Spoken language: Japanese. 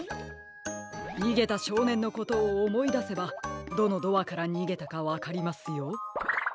にげたしょうねんのことをおもいだせばどのドアからにげたかわかりますよ。